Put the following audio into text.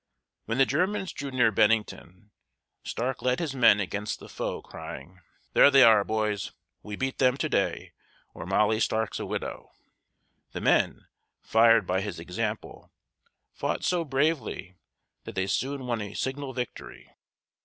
When the Germans drew near Bennington, Stark led his men against the foe, crying: "There they are, boys! We beat them to day or Molly Stark's a widow." The men, fired by his example, fought so bravely that they soon won a signal victory.